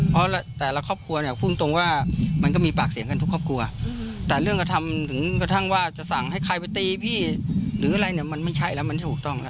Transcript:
เพราะแต่ละครอบครัวเนี่ยพูดตรงว่ามันก็มีปากเสียงกันทุกครอบครัวแต่เรื่องกระทำถึงกระทั่งว่าจะสั่งให้ใครไปตีพี่หรืออะไรเนี่ยมันไม่ใช่แล้วมันไม่ถูกต้องแล้ว